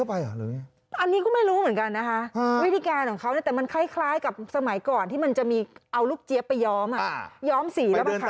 อันนี้ก็ไม่รู้เหมือนกันนะคะวิธีการของเขาเนี่ยแต่มันคล้ายกับสมัยก่อนที่มันจะมีเอาลูกเจี๊ยบไปย้อมย้อมสีหรือเปล่าคะ